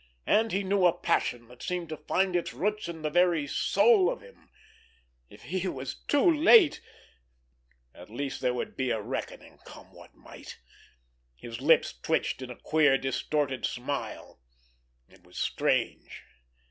And he knew a passion that seemed to find its roots in the very soul of him. If he was too late—at least there would be a reckoning, come what might! His lips twitched in a queer, distorted smile. It was strange!